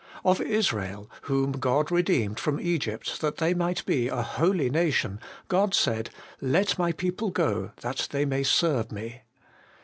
Of Israel, whom God redeemed from Egypt that they might be a holy nation, God said, ' Let my people go, that they may serve me.'